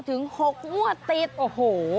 ถึง๖งวดติดโอ้โห